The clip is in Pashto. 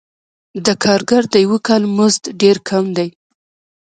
د کارګر د یوه کال مزد ډېر کم دی